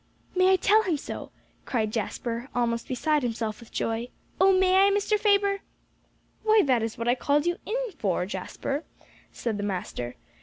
"May I tell him so?" cried Jasper, almost beside himself with joy. "Oh, may I, Mr. Faber?" "Why, that is what I called you in here for, Jasper," said the master.